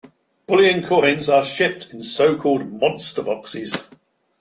Bullion coins are shipped in so-called monster boxes.